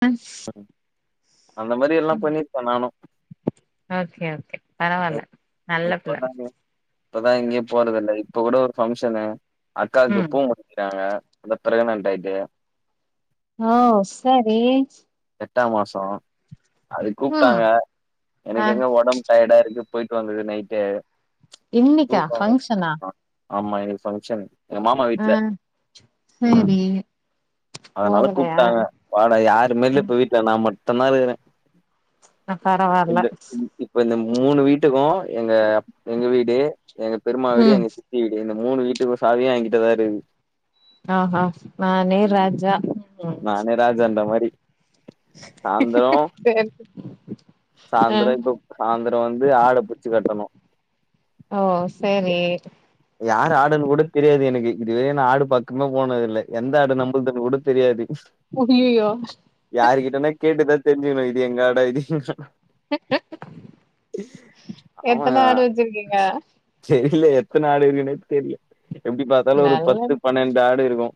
அ அந்த மாரி எல்லா பண்ணிருப்பே நானு ஓகே ஓகே பரவால்ல நல்ல பிள்ள இப்பதா இப்பதா எங்கியு போறதில்ல இப்ப கூட ஒரு ஃபங்க்ஷனு அக்காக்கு ம் பூ முடிக்கிறாங்க அதா பிரெக்னட்டாய்ட்டு ஓ செரி எட்டா மாசோ அதுக்கு ம் கூப்டாங்க ஆ எனக்கு எங்க ஒடம்பு டயர்டாருக்கு போய்ட்டு வந்தது நைட்டு இன்னிக்கா தூக்கோ ஃபங்க்ஷனா ஆ ஆமா இன்னக்கி ஃபங்ஷனு எங்க மாமா ஆ வீட்ல ம் சேரி அதனால போகலையா கூப்டாங்க வாடா யாருமேல்ல இப்ப வீட்ல நா மட்டுந்தா இருக்குறே ஆ பரவால்ல எந்த இப்ப இந்த மூனு வீட்டுக்கு எங்க எங்க வீடு எங்க பெர்மா வீடு ம் எங்க வீடு இந்த மூனு வீட்டுக்கு சாவியு என்கிட்டதாருக்கு ஆ ஹா நானே ராஜா ம் நானே ராஜான்ற மாரி சேர் சே சாய்ந்த்ரோ இப்போ சாய்ந்த்ரோ வந்து ஆட புச்சு கட்டனு ஓ சேரி யாரு ஆடுன் கூட தெரியாது எனக்கு இது வரியு நா ஆடு பக்கமே போனதில்ல எந்த ஆடு நம்பல்துன் கூட தெரியாது அய்யய்யோ யாரு கிட்டனா கேட்டுதா தெரிஞ்சிக்னு இது எங்காடா இது எங்காடா ஆமா எத்தன ஆடு வச்சிருக்கீங்க தெர்ல எத்தன ஆடு இருக்குனே தெரில எப்டி பாத்தாலு ஒரு பத்து நல்லது பன்னெண்டு ஆடு இருக்கு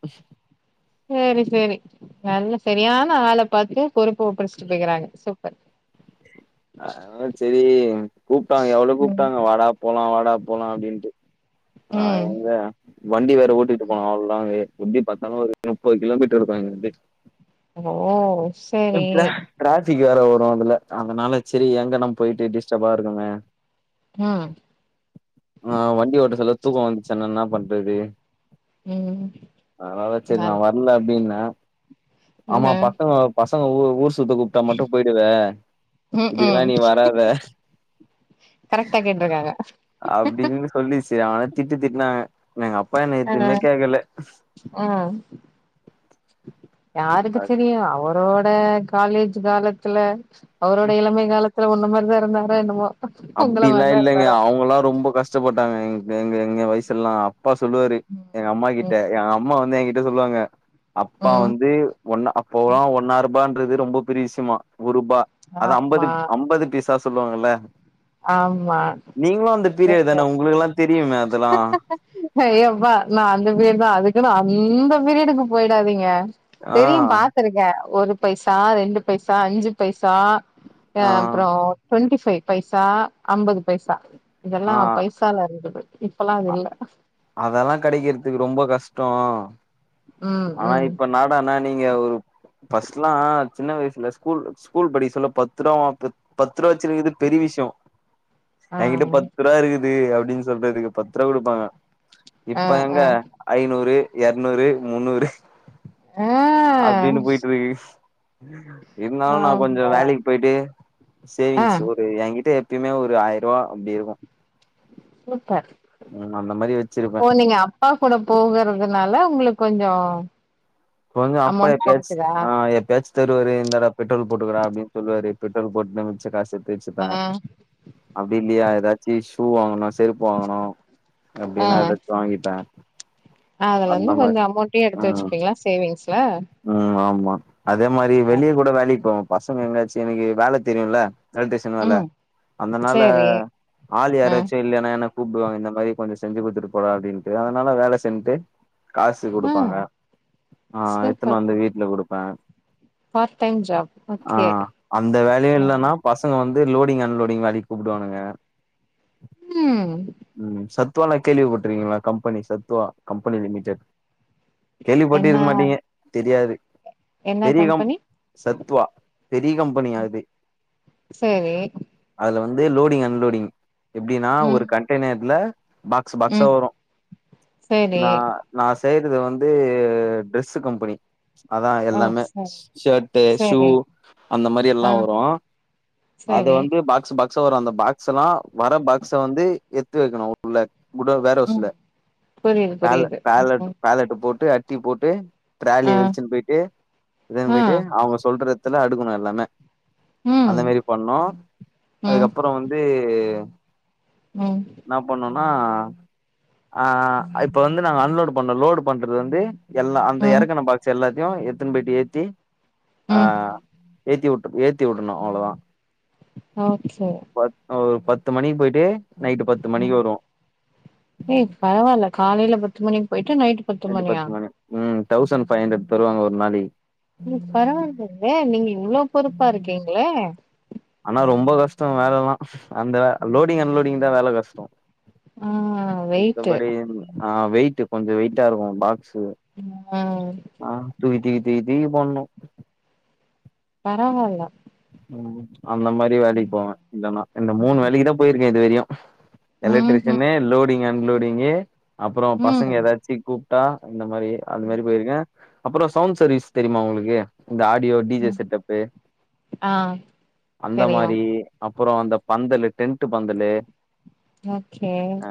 சேரி சேரி நல்ல செரியான ஆள பாத்து பொறுப்ப ஒப்டச்சிட்டு போய்க்கறாங்க சூ ஆ செரி கூப்ட்டாங்க எவ்ளோ ம் கூப்ட்டாங்க வாடா போலா வாடா போலா அப்டின்ட்டு நா ம் எங்க வண்டி வேற ஓட்டிட்டு போனு அவ்ளோ லாங்கு எப்டி பாத்தாலு ஒரு முப்பது கிலோ மீட்டர் [unintelligible] ஓ செரி டிராபிக் வேற வரு அதுல அதனால செரி ஏங்க நம் போயிட்டு டிஸ்டர்பா இருக்குமே அ ஆ வண்டி ஓட்டசொல்ல தூக்கோ வந்ச்சு என்னன்னா பண்றது ம் அதனால செரி நா அது வர்ல அப் டின்ன ம் ஆமா பசங்க பசங்க ஊர் ஊர் சுத்த கூப்ட்டா மட்டு போயிடுவ ம் இதுக்குலா ம் நீ வராத கரெக்டா கேட்ருக்காங்க அப்டின்னு சொல்லி செரியான திட்டு திட்னாங்க என்ன எங்க அப்பா என்ன அ எதுவுமே கேக்கல ம் யாருக்கு தெரியு அவர் அவரோட காலேஜ் காலத்துல அவரோட இளமை காலத்துல உன்ன மாரிதா இருந்தாரா என்னமோ உங்கள அப்டில்லா மாரிதா இல்லங்க இருந்தாரோ என்னமோ அவங்கல்லா ரொம்ப கஷ் டப்பட்டாங்க எங் எங்க எங்க வயிசெல்லா அப்பா சொல்லுவாரு ம் எங்க அம்மா ம் கிட்ட ஏ அம்மா வந்து ஏ கிட் ட சொல்லுவாங்க அப்பா ம் வந்து ஒன்னா அப்போலா ம் ஒன்னாருபான்றது ரொம்ப பெரிய விசியமா ஒருபா அது அம்பது ஆமா அம்பது பீஸ் தா சொல்லுவாங்கல்ல ஆம்மா நீங்களு அந்த பீரியட் தான உங்களுக்கல்லா தெரியுமே அதலா ஐயோ அப்பா நா அந்த பீரியட் தா அதுக்குன்னு அந்த பீரியடுக்கு போயிடாதீங்க ஆ தெரியு பாத்துருக்க ஒரு பைசா ரெண்டு பைசா அஞ்சு பைசா எ ஆ அப்பறோ டுவெண்டி பைவ் பைசா ஐம்பது பைசா இதல்லா ஆ பை சா [inaudible] இப்பல்லா அது இல்ல அதல்லா கடைக்கறதுக்கு ரொம்ப கஷ்டோ ம் அனா ம் இப்ப நாடன்னா நீங்க ஒரு பர்ஸ்ட்லா சின்ன வயசுல ஸ்கூல் ஸ்கூல் படிக்க சொல்ல பத்து டா வாப்பு பத்துருவா வச்சிருக்கறது பெரிய விஷயோ ஆ ஏங்கிட்ட பத்து ருவா இருக்குது அப்டின் சொல்றதுக்கு பத்து ருவா குடுப்பாங்க ஆ இப்ப எங்க ஆ ஐநூறு இரநூறு முன்னூறு ஆ அப்டின்னு போயிட்டுருக்கு இருந்தாலு நா கொஞ்சோ ஆமா வேலைக்கு போயிட்டு ஆ சேவிங்ஸ் [unintelligible] ஏங்கிட்ட எப்பயுமே ஒரு ஆயருவா அப்படி இருக்கு சூப்பர் ம் அந்த மாரி வச்சிருப்பே ஓ நீங்க அப் ப்பா கூட போகருதுனால உங்களுக் கொஞ்சோ கொஞ்சோ அப்பா அமௌண்ட் எப்பயாச் கெடைக்குதா ஆ எப்பயாச் தருவாரு இந்தாடா பெட்ரோல் போட்டுக்கடா அப்டின் சொல்லுவாரு பெட்ரோல் போட்னு மிச்ச காசு எடுத்து ஆ வெச்சிப்பே அப்டி இல்லயா எதாச்சி ஷூ வாங்கணு செருப்பு வாங்கணு அப்டின்னா எதாது வாங்கிப்ப அதலந்து கொஞ்சோ அமௌண்டயு எடுத்து ம் வெச்சுப்பீங்களா சேவிங்ஸ்ல ம் ஆமா அதே மாரி வெளிய கூட வேலைக்கு போவ பசங்க எங்காச்சு எனக்கு வேல தெரியுல்ல எலக்ட்ரீசன் வேல ம் அந்தனால சேரி ஆல் ஆ யாராச்சு இல்லன்னா என்ன கூப்டுவாங்க இந்த மாரி கொஞ்சோ செஞ்சு குடுத்துட்டு போடா அப்டின்ட்டு அதனால வேல சென்ட்டு காசு ஆ குடுப்பாங்க ஆ எத்துன் சூப்பர் வந்து வீட்ல குடுப்பே பார்ட் டைம் ஜாப் ஆ ஓகே அந்த வேலயு ம் இல்லன்னா பசங்க வந்து லோடிங் அன்லோடிங் வேலிக் கூப்புடுவானுங்க ம் ம் சத்வால கேள்விப்பட்ருக்கீங்ளா கம்பெனி சத்வா கம்பெனி லிமிடெட் கேள்வி பட்டு என்ன இருக்க மாட்டீங்க தெரியாது என்ன பெரிகம் கம்பெனி சத்வா பெரிய் கம்பனிங்க அது செரி அதுல வந்து லோடிங் அன்லோடிங் எப்டினா ம் ஒரு கண்டனெய்ர்ல பாக்ஸ் பாக்ஸா ம் வரு சேரி நா நா செய்றது வந்து டிரஸ் ஸ்ஸு கம்பெனி அதா ஆ எல்லாமே சேரி ஷர்ட்டு ஷூ சேரி அந்த மாரி ஆ எல்லா வரு அது சேரி வந்து பாக்ஸ் பாக்ஸ வரு அந்த பாக்ஸ்ஸலா வர பாக்ஸ வந்து எத்து வைக்கணு உள்ள குடோ ம் வேற்ஹவுஸ்ல புரியுது பேல புரியுது பேலட் ம் பேலட்டு போட்டு அட்டி போட்டு ஆ ட்ராலிய வெழிச்சுன் போயிட்டு இதுன்னு ஆ போயிட்டு அவுங்க சொல்ற எத்துல அடுக்குணு எல்லாமே ம் அந்தமேரி பண்ணோ ம் அதுக்கப்புற வந்து ம் இன்னா பண்ணுனா ஆ இப்ப வந்து நாங்க அன்லோட் பண்ணோ லோட் பண்றது வந்து எல்லா இந்த ம் இறக்கின பாக்ஸ் எல்லாத்தியு எத்துன் போயிட்டு ஏத்தி ஆ ம் ஏத்தி வுட்டு ஏத்தி வுடுணு அவ்ளோதா ஓகே ப ஒரு பத்து மணிக்கு போயிட்டு நைட்டு பத்து மணிக்கு வருவோ ஏய் பரவால்ல காலையில பத்து மணிக்கு போயிட்டு நைட்டு நைட்டு பத்து மணி ம் தௌசண்ட் ஃபைவ் ஹண்ட்ரட் தருவாங்க ஒரு நாளைக் ம் பரவால்லங்க நீங்க இவ்ளோ பொறுப்பா இருக்கீங்ளே ஆனா ரொம்ப கஷ்ட வேலைல்லா அந்த லோடிங் அன்லோடிங் தா வேல கஷ்டோ ஆ வெயிட்டு மத்தபடி ஆ வெயிட்டு கொஞ்ச வெயிட்டா இருக்கு பாக்ஸு ஆ ஆ தூக்கி திக்கி திக்கி திக்கி போட்ணு பரவால்ல ம் அந்த மாரி வேலைக் ம் போவே இல்லனா இந்த மூணு வேலைக்கிதா போயிருக்கே இது வெரையு ம் எலக்ட்ரிஷியனே லோடிங் அன்லோடிங்கு அப்புற பசங்க ம்ஹ்ம் ஏதாச்சு கூப் டா இந்த மாரி ம் அதுமேரி போயிருக்கே அப்புற சவுண்ட் சர்வீஸ் தெரிமா உங்ளுக்கு இந்த ஆடியோ டி ஜே ம் செட்டப்பு ஆ அந்த தெரியு மாரி அப்புற அந்த பந்தலு டென்ட்டு பந்தலு ஓகே ஆ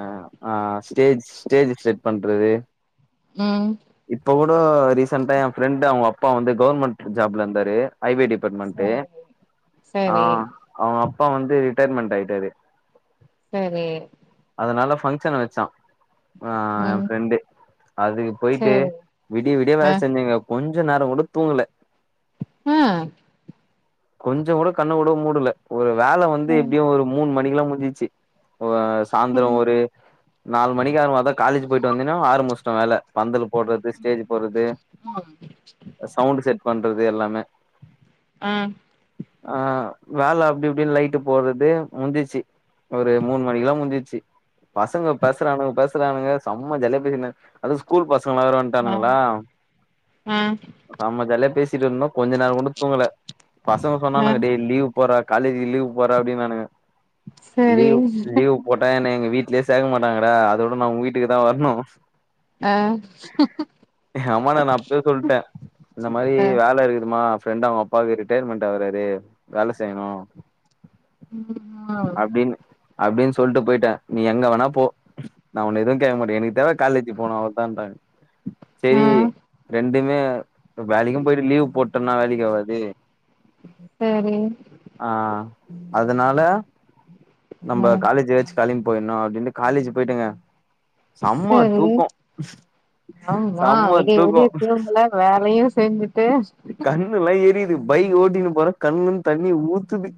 ஆ ஸ்டேஜ் ஸ்டேஜு செட் பண்றது ம் இப்ப கூடோ ரீசென்டா எ ஃப்ரெண்டு் அவுங்க அப்பா வந்து கவர்மெண்ட் ஜாப்ல இர்ந்தாரு ஐ வே டிப் பெர்மென்டு சரி ஆ சரி அவுங்க அப்பா வந்து ரிட்டர்மென்ட் ஆயிட்டாரு சரி அதனால ஃபங்க்ஷன் வெச்சா ஆ எ ம் ஃப்ரெண்டு அதுக்கு போயிட்டு சரி விடிய விடிய ஆ வேல செஞ்சங்க கொஞ்ச நேர கூட தூங்ல ஆ கொஞ்ச கூட கண்ண கூட மூடல ஒரு வேல வந்து ம் எப்டியு ஒரு மூணு மணிக்கு ல்லா முடிஞ்சிச்சு ஓ சாந்திரம் ம் ஒரு நாலு மணிக்கு அப்பறமா தா காலேஜ் போயிட்டு வந்தோனயு ஆரம்மிச்ட்டோ வேல பந்தல் போடுறது ஸ்டேஜ் போடுறது ஆ சவுண்ட்டு செட் பண்றது எல்லாமே ம் ஆ வேல அப்டி இப்டின்னு லைட்டு போடுறது முடிஞ்சிச்சு ஒரு மூணு மணிக்கு ல்லா முடிஞ்சிடுச்சு பசங்க பேசுறானுங்க பேசுறானுங்க செம்ம ஜாலிய பேசினுந்தாங்க அது ஸ்கூல் பசங்களா வேற வந்துட்டானுங்களா ஆ நம்ம ஜாலியா பேசிட்டு இருந்தோ கொஞ்ச நேர கூட தூங்கல பசங்க ஆ சொன்னானுங்க டே லீவ் போறா காலேஜ் லீவ் போட்றா அப்டின்னாங்க சரி லீவு லீவு போட்டா என்ன எங்க வீ்ட்லேயே சேக்க மாட்டாங்கடா அதோட நா உங்க வீட்டுக்கு தா வர்ணு ஆ எங்க அம்மாட்ட நா அப்பயே சொல்டே இந்த மாரி ஆ வேல இருக்குதுமா ஃப்ரெண்ட் அவுங்க அப்பாக்கு ரிட்டயர்மெண்ட் ஆவறாரு வேல செய்ணு ம் ஆ அப்டின் அப்டின் சொல்ட்டு போயிட்டே நீ எங்க வேணா போ நா உன்ன எதுவு கேக்க மாட்டே எனக்கு தேவ காலேஜி போனோ அவ்ளோதாட்டாங்க ஆ செரி ரெண்டுமே வேலைக்கு போயிட்டு லீவு போட்டனா வேலைக்கி ஆவாது சேரி ஆ அதனால நம்ப ஆ காலேஜ் வெச்சிக் வேலைக்கு போயிணோ அப்டின்ட்டு காலேஜ் போயிட்டுங்க செம்ம சரி தூக்கோ ஆமா செம்ம விடிய தூக்கோ விடிய தூங்கல வேலையு செஞ்சிட்டு கண்ணுலா எரியுது பைக் ஓட்டினு போறே கண்ணுல இருந்து தண்ணி ஊத்துது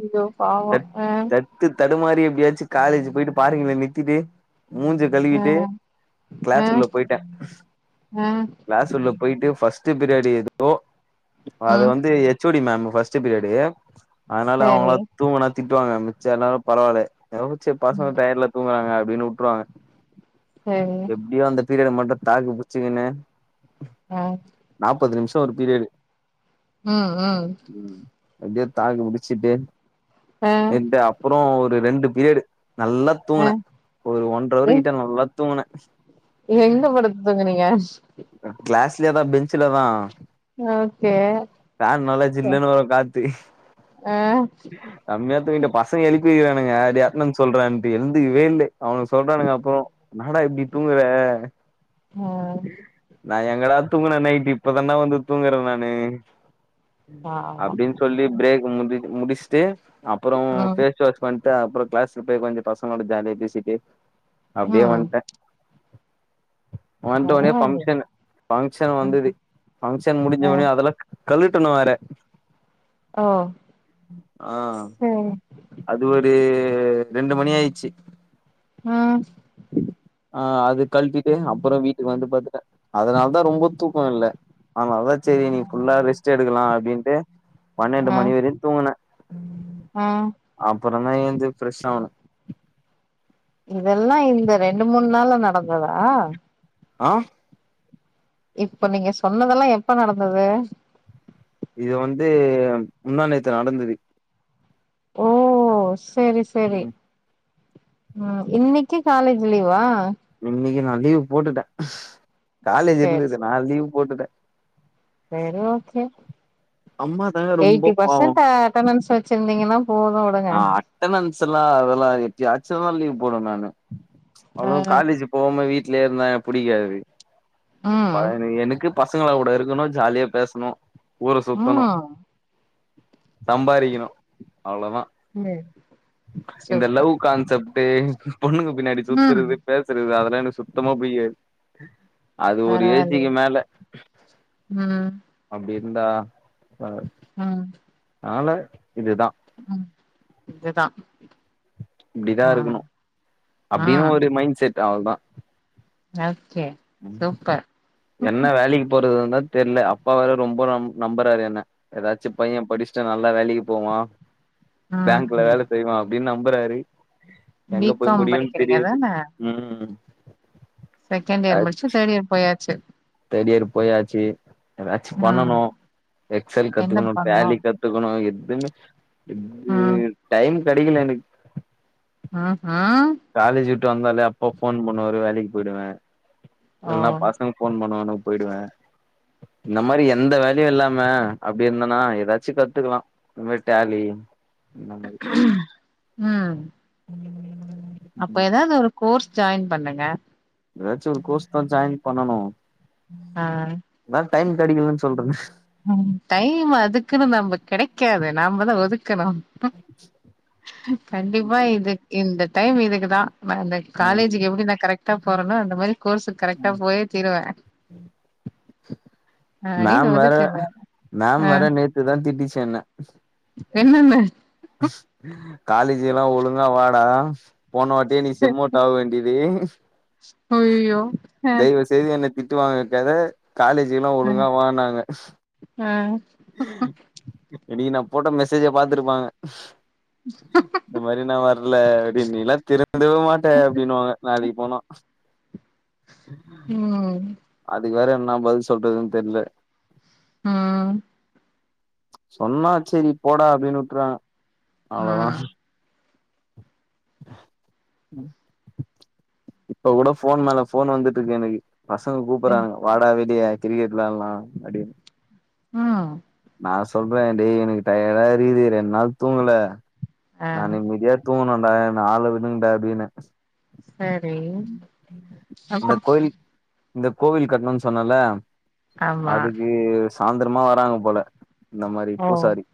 அய்யோ பாவோ ஆ தத்து தடுமாறி எப்படியாச்சு காலேஜ் போயிட்டு பார்க்கிங்ல நிறுத்திட்டு முஞ்சு ஆ கழுவிட்டு ஆ கிளாஸ் உள்ள போயிட்டே ஆ கிளாஸ் உள்ள போயிட்டு ஃபஸ்ட்டு பீரியடு எது அது ம் வந்து H O D ma'am first period அதனால அவுங்களா சரி தூங்குனா திட்டுவாங்க மிச்ச நேர பரவால்லே எதோ சேரி ம் பர்சினல் டயர்டுல தூங்குறாங்க அப்டின்னு வுட்டுருவாங்க சரி எப்டியோ அந்த பீரியட மட்டு தாக்கு புச்சிக்கினு ஆ நாப்பது நிமிஷோ ஒரு பீரியடு ம் ம் ம் எப்டியோ தாக்கு முடிச்சிட்டு ஆ என்டே அப் அப்பறோ ஒரு ரெண்டு பீரியடு நல்லா அ தூங்குனே ஒரு ஒன்ற அவரு எ கிட்ட நல்லா தூங்குனே இல்ல எங்க படுத்து துங்குனீங்க கிளாஸ்லேயதா பெஞ்சுல தா ஓகே ஃபேன் நல்லா சில்லுன்னு வரு காத்து ஆ செம்மயாத் தூங்கிட்டே பசங்க எழுப்பிருக்கானுக டே அடென்டென்ஸ் சொல்றான்னுட்டு எழுந்துக்கவே இல்ல அவனுக சொல்றானுங்க அப்பறோ என்னாடா இப்டி தூங்குற ஆ நா எங்கடா தூங்குனே நைட்டு இப்பதான்ட வந்து தூங்குறே நானு பாவோ அப்டினு சொல்லி பிரேக் முடி முடிச்ட்டு அப்பறோ ம் ஃபே ஃபேஸ் வாஷ் பண்ட்டு அப்பறோ கிளாஸ்ல போய் கொஞ்சோ பசங்களோட ஜாலியா பேசிட்டு அப்டியே ம் வந்டே வந்தோனே பரவாயில்லயே ஃபங்க்ஷனு ஃபங்க்ஷன் வந்தது ம் ஃபங்க்ஷன் முடி முஞ்ச ஆ ஒன்னே அதெல்லா கழட்டனு வேற ஓ ஆ செரி அது ஒரு ரெண்டு மணி ஆயிச்சி ஆ ஆ அது கழ்டிட்டு அப்புற வீட்டுக்கு வந்து பத்துட்ட அதனாலதா ரொம்போ தூக்கோ வல்ல அத்னால்தா செரி இன்னிக் ஃபுல்லா ரெஸ்ட் எடுக்கலா அப்டின்டு பன்னெண்டு மணி வெரியு தூங்குன அ அப்பறமா ஏந்து ப்ரெஷ் ஆவுணே இதெல்லா இந்த ரெண்டு மூண் நாள்ல நடந்ததா ஆ இப்ப நீங்க சொன்னதெல்லா எப்ப நடந்தது இது வந்து முந்தாநேத்து நடந்துது ஓ செரி செரி ம் இன்னிக்கி காலேஜ் லீவா இன்னிக்கி நா லீவ் போட்டுட்ட காலேஜ் சேர் இருந்துது நா லீவ் போட்டுட்ட செரி ஓகே அம்மா தாங்க ரொம்ப எயிட்டி பாவம் பர்சன்ட்டு அட்டனன்ஸ் வெச்சிருந்தீங்கன்னா போது விடுங்க அட்டனன்ஸெல்லா அதெல்லா எட்டியாச்சுதா லீவு போடுவ் நானு அவ்ளவ் காலேஜு போவாம வீட்லயே இருந்தா எனக்கு புடிக்காது ஆ ம் [unintelligible] எனக்கு பசங்களாகூட இருக்கணு ஜாலியா பேசணு ஊர சுத்தணு ம் சம்பாரிக்கணு அவ்ளோதா சேரி இந்த லவ் சூப்பர் கான்செப் ட்டு பொண்ணுங்க பின்னாடி ம் சுத்துறது பேசுறது அதெல்லா எனக்கு சுத்தமா புடிக்காது அது ஒரு பரவால்லயே ஏஜிக்கு மேல ம் அப்டி இருந்தாதா ம் அதனால இதுதா ம் இதுதா இப்டிதா ஆ இருக்கணு ஆ அப்டினு ஒரு மைண்ட் செட் அவ்ள்தா ஓகே ம் சூப்பர் என்ன வேலிக்கி போறதுந்தா தெர்ல அப்பா வேற ரொம்ப நம் நம்புறாரு என்ன எதாச்சு பைய்யே படிஷ்ட்டா நல்ல வேலக்கி போவா பேங்கில ம் வேல செய்வா அப்டினு நம்புறாரு பி எங்க போய் காம் முடியுன் படிக்கிறீங்க தெரியாது தான ம் செகண்ட் இயர் முடிச்சு தேட் இயர் போயாச்சு தேட் இயர் போயாச்சு எதாச்சு பண்ணணு ம் எக்ஸல் என்ன கத்துக்கணு பண்ணோ டாலி கத்துக்கணு எதுமே இது ம் டைம் கெடிக்கில எனக் அ ஆ காலேஜ் விட்டு வந்தாலே அப்பா ஃபோன் பண்ணுவாரு வேலிக்கு போய்டுவே இல்னா ஓ பசங் ஃபோன் பண்ணுவானுங் போய்டுவே இந்த மாரி எந்த வேல்யு இல்லாம அப்டி இர்ந்தனா எதாச்சு கத்துக்கலா இந்த மாரி டேலி இந்த மாரி ம் மாரி அப்ப எதாது ஒரு கோர்ஸ் ஜாயின் பண்ணுங்க எதாச்சு ஒரு கோஸ்தா ஜாயின் பண்ணனு ஆ நா டைம் கெடைக்கலன் சொல்றன ம் டைம் அதுக்குனு நம்ப கடைக்காது நாம தா ஒதுக்கணு கண்டிப்பா இதுக் இந்த டைம் இதுக்கு தா மாண்ட காலேஜுக்கு எப்டி நா கரெக்டா போறனோ அந்த மாரி கோர்ஸுக் கரெக்டா போயே தீருவ அடின் ஒதுக் ட மேம் வேற நேத்துதா திட்டிச்சு என்ன என்னனு காலேஜுலா ஒழுங்கா வாடா போனவாட்டியே நீ செம்மோட் ஆவ வேண்டியது அய்யய்யோ அ டெய்லி என்ன திட்டுவாங்க தான காலேஜுகெல்லா ஒழுங்கா வானாங்க அ இன்னக்கி நா போட்ட மெசேஜ பாத்துருப்பாங்க இந்த மாரி நா வர்ல அப்டினு நீ எல்லா திருந்தவே மாட்டே அப்டினுவாங்க நாளைக்கி போனா ம் அதுக்கு வேற என்னா பதில் சொல்றதுன் தெர்ல ஆ சொன்னா செரி போடா அப்டினு விட்ருவாங்க ஆ அவ்ளோதா இப்ப கூட ஃபோன் மேல ஃபோன் வந்துட்ருக்கு எனக்கு பசங்க கூப்புறாங்க வாடா வெளிய கிரிக்கெட் விளால்லா அப்டின் ம் நா சொல்ற டே எனக்கு டயடா இருகுது ரெண் நாள் தூங்கல ஆ நா நிம்மதியா தூங்கணுன்டா என்ன ஆள விடுங்டா அப்டின்ன சரி அந்த அப்றோ கோயில் இந்த கோவில் கட்ணுனு சொன்னல ஆமா அதுக்கு சாந்தரமா வராங்க போல இந்த மாரி ஓ பூசாரி